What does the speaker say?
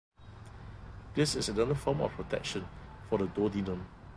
This is another form of protection for the duodenum.